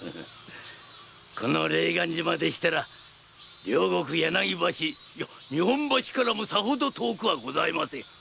この霊岸島でしたら両国柳橋いや日本橋からもさほど遠くはございません。